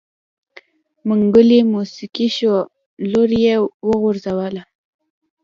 منګلی موسکی شو لور يې وغورځوه.